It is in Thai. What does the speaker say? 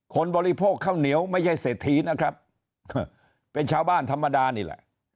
บริโภคข้าวเหนียวไม่ใช่เศรษฐีนะครับเป็นชาวบ้านธรรมดานี่แหละ